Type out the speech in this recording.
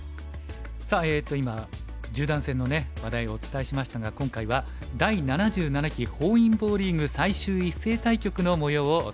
さあ今十段戦の話題をお伝えしましたが今回は第７７期本因坊リーグ最終一斉対局のもようをお伝えします。